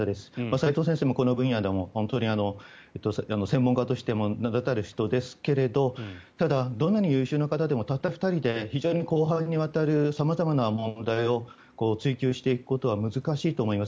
齋藤先生も、この分野では本当に専門家としても名だたる人ですけどただ、どんなに優秀な方でもたった２人で非常に広範にわたる様々な問題を追及していくことは難しいと思います。